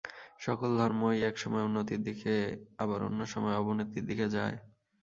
সকল ধর্মই এক সময়ে উন্নতির দিকে, আবার অন্য সময়ে অবনতির দিকে যায়।